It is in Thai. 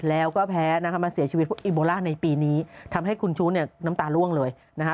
แล้วก็แพ้นะคะมาเสียชีวิตอิโบล่าในปีนี้ทำให้คุณชู้เนี่ยน้ำตาล่วงเลยนะฮะ